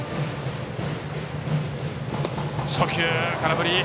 初球、空振り。